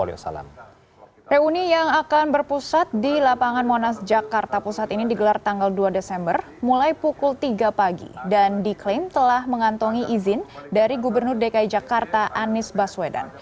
reuni yang akan berpusat di lapangan monas jakarta pusat ini digelar tanggal dua desember mulai pukul tiga pagi dan diklaim telah mengantongi izin dari gubernur dki jakarta anies baswedan